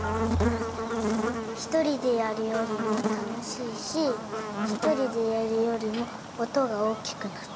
ひとりでやるよりもたのしいしひとりでやるよりもおとがおおきくなった。